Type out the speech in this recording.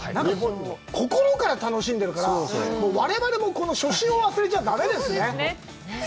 心から楽しんでるから、我々もこの初心を忘れちゃだめですね。